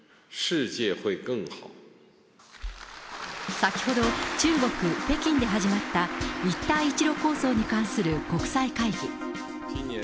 先ほど中国・北京で始まった、一帯一路構想に関する国際会議。